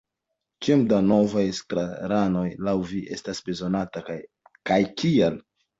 Kiom da novaj estraranoj laŭ vi estas bezonataj, kaj kial?